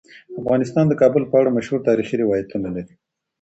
افغانستان د کابل په اړه مشهور تاریخی روایتونه لري.